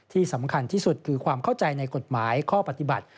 ที่สำคัญที่สุดคือความเข้าใจในกฎหมายข้อปฏิบัติ